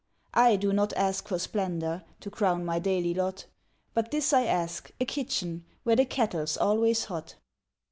I do not ask for splendor To crown my daily lot, But this I ask a kitchen Where the kettle's always hot.